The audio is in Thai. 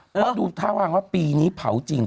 เพราะดูท่าวางว่าปีนี้เผาจริง